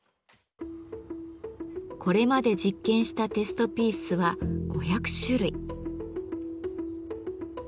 これまで実験したテストピースは５００種類。